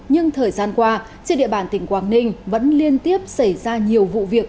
nhưng thời gian qua trên địa bàn tỉnh quảng ninh vẫn liên tiếp xảy ra nhiều vụ việc